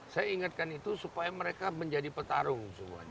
saya ingatkan itu supaya mereka menjadi petarung semuanya